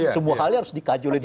semua halnya harus dikajulin